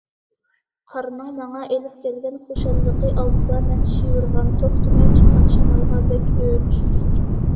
قارنىڭ ماڭا ئېلىپ كەلگەن خۇشاللىقى ئالدىدا مەن شىۋىرغان، توختىماي چىققان شامالغا بەك ئۆچ.